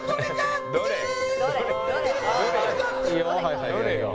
いいよ。